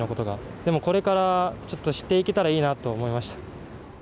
でも、これからちょっと知っていけたらいいなと思いました。